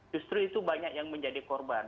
justru itu banyak yang menjadi korban